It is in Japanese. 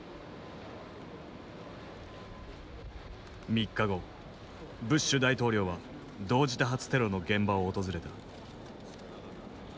３日後ブッシュ大統領は同時多発テロの現場を訪れた。